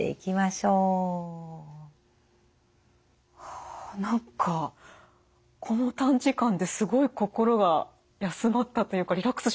はあ何かこの短時間ですごい心が休まったというかリラックスしましたよね。